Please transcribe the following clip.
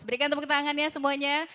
berikan tepuk tangan ya semuanya